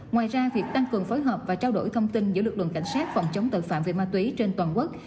ngoài ra việc tăng cường phối hợp và trao đổi thông tin giữa lực lượng cảnh sát phòng chống tội phạm về ma túy trên toàn quốc